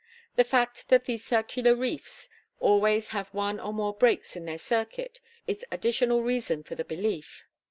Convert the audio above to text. The fact that these circular reefs always have one or more breaks in their circuit is additional reason for the belief.